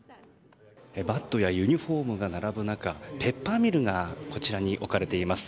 バットやユニホームが並ぶ中ペッパーミルがこちらに置かれています。